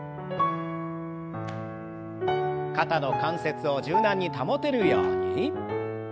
肩の関節を柔軟に保てるように。